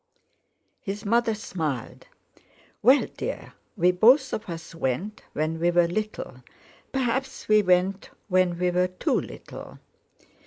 His mother smiled. "Well, dear, we both of us went when we were little. Perhaps we went when we were too little."